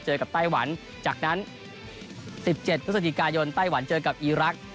เจอกับไต้หวันจากนั้น๑๗พฤศจิกายนไต้หวันเจอกับอีรักษ์